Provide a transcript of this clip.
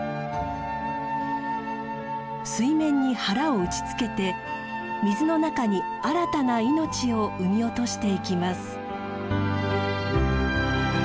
水面に腹を打ちつけて水の中に新たな命を産み落としていきます。